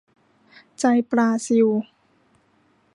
ใจปลาซิว